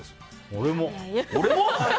俺も？